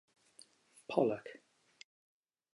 Pollock.